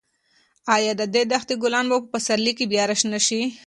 ایا د دښتې ګلان به په پسرلي کې بیا راشنه شي؟